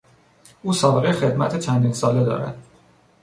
او سابقهی خدمت چندین ساله دارد.